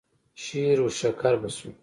شېروشکر به شو.